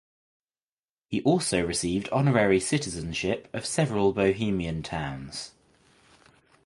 He also received honorary citizenship of several Bohemian towns.